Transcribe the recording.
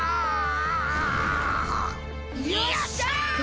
よっしゃ！